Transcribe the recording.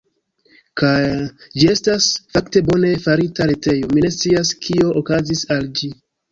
Kaj... ĝi estas fakte bone farita retejo, mi ne scias, kio okazis al ĝi.